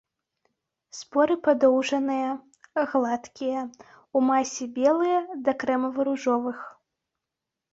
Споры падоўжаныя, гладкія, у масе белыя да крэмава-ружовых.